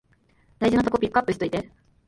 大事なとこピックアップしといて